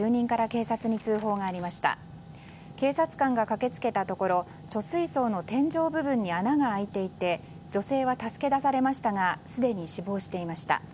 警察官が駆け付けたところ貯水槽の天井部分に穴が開いていて女性は助け出されましたがすでに死亡していました。